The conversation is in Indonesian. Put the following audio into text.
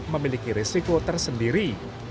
memiliki risiko tersendiri